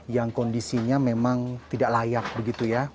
yang kondisinya memang tidak layak begitu ya